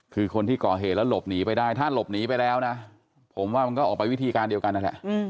คือคนที่ก่อเหตุแล้วหลบหนีไปได้ถ้าหลบหนีไปแล้วนะผมว่ามันก็ออกไปวิธีการเดียวกันนั่นแหละ